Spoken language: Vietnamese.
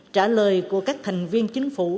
trả lời của các thành viên chính phủ